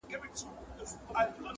د طالع ستوری یې پټ دی بخت یې تور دی٫